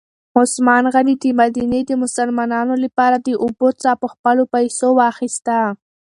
عثمان غني د مدینې د مسلمانانو لپاره د اوبو څاه په خپلو پیسو واخیسته.